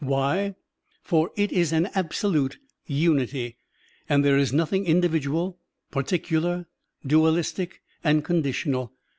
Why? For it is an absolute unity, and there is nothing individual, particular, dualistic, and conditional.